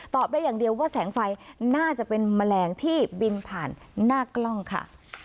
ได้อย่างเดียวว่าแสงไฟน่าจะเป็นแมลงที่บินผ่านหน้ากล้องค่ะ